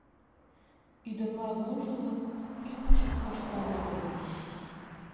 — Ӱдырла вожылын, ӱҥышын коштман огыл.